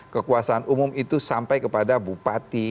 kekuasaan umum itu sampai kepada bupati